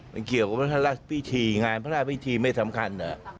มันเกี่ยวกับพระราชพิธีงานพระราชพิธีไม่สำคัญ